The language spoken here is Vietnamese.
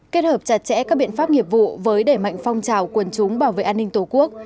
kết hợp chặt chẽ các biện pháp nghiệp vụ với đẩy mạnh phong trào quần chúng bảo vệ an ninh tổ quốc